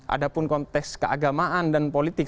ada pun konteks keagamaan dan politik